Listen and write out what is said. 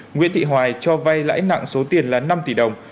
nguyễn thị hoài cho vay lãi nặng số tiền là năm tỷ đồng